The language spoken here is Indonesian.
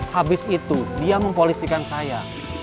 habis itu dia mempolisikan saya